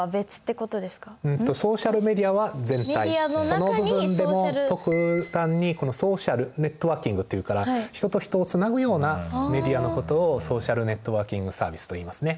その部分でも特段にソーシャルネットワーキングっていうから人と人をつなぐようなメディアのことをソーシャルネットワーキングサービスといいますね。